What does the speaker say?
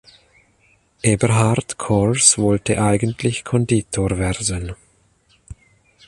Eberhard Cohrs wollte eigentlich Konditor werden.